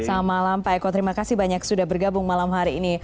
selamat malam pak eko terima kasih banyak sudah bergabung malam hari ini